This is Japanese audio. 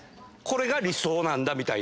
これが理想なんだみたいな。